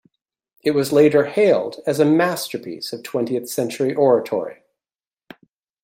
It was later hailed as a masterpiece of twentieth century oratory.